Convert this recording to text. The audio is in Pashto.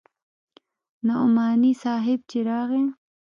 نعماني صاحب چې راغى.